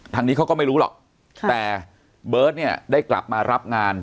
ทางนี้เขาก็ไม่รู้หรอกแต่เบิร์ตเนี่ยได้กลับมารับงาน